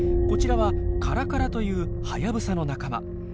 こちらはカラカラというハヤブサの仲間。